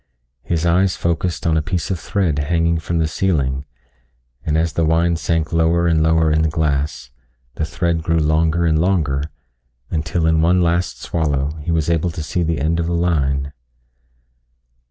His eyes focused on a piece of thread hanging from the ceiling, and as the wine sank lower and lower in the glass, the thread grew longer and longer until in one last swallow he was able to see the end of the line.